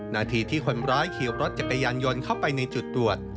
นาทีที่คนร้ายขี่รถจักรยานยนต์เข้าไปในจุดตรวจ